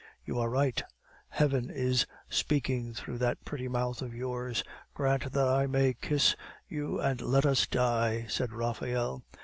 "You are right; Heaven is speaking through that pretty mouth of yours. Grant that I may kiss you, and let us die," said Raphael.